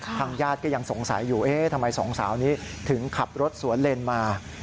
ทางญาติก็ยังสงสัยอยู่เอ๊ะทำไมสองสาวนี้ถึงขับรถสวนเลนมา